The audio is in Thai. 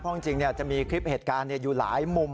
เพราะจริงจะมีคลิปเหตุการณ์อยู่หลายมุม